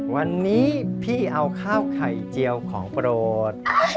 วันนี้พี่เอาข้าวไข่เจียวของโปรด